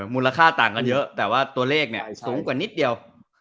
มูลค่าต่างกันเยอะแต่ว่าตัวเลขเนี่ยสูงกว่านิดเดียว